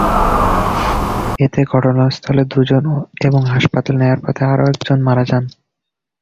এতে ঘটনাস্থলে দুজন এবং হাসপাতালে নেওয়ার পথে আরও একজন মারা যান।